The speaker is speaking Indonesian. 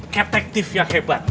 ketektif yang hebat